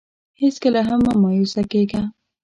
هېڅکله هم مه مایوسه کېږه.